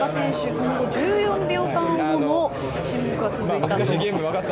その後１４秒間ほど沈黙は続いたと。